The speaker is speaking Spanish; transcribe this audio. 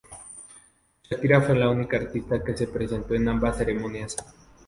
Shakira fue la única artista que se presentó en ambas ceremonias.